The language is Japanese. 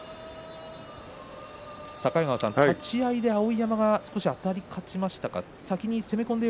境川さん、立ち合いで碧山が少しあたり勝ちましたか？